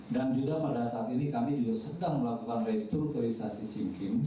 dan juga pada saat ini kami juga sedang melakukan restrukturisasi sim kim